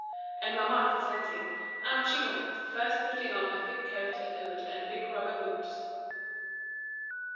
and Mamma consenting, out she went, first putting on her thick coat and hood and big rubber boots.